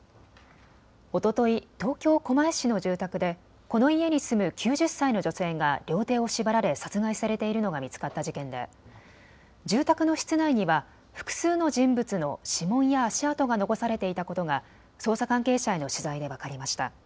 おととい、東京狛江市の住宅でこの家に住む９０歳の女性が両手を縛られ殺害されているのが見つかった事件で住宅の室内には複数の人物の指紋や足跡が残されていたことが捜査関係者への取材で分かりました。